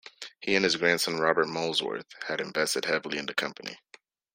He and his grandson, Robert Molesworth, had invested heavily in the company.